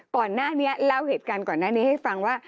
ก่อนหน้านี้เล่าเหตุการณ์ก่อนหน้านี้ให้ฟังว่า